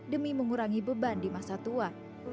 demi mengurangi beban di masa tua